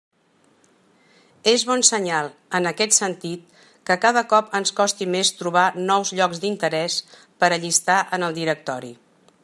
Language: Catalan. És bon senyal, en aquest sentit, que cada cop ens costi més trobar nous llocs d'interès per a llistar en el directori.